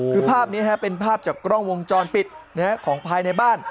คือภาพนี้เป็นภาพจากกล้องวงจรปิดของภายในบ้าน